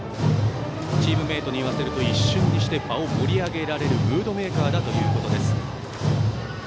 チームメートに言わせると一瞬にして場を盛り上げられるムードメーカーだということです。